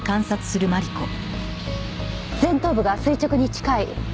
前頭部が垂直に近い。